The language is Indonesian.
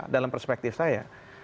dalam perspektif saya